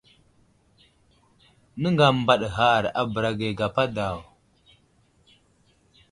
Nəŋga məmbaɗ ghar a bəra ge gapa daw.